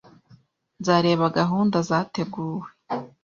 Nzareba gahunda zateguwe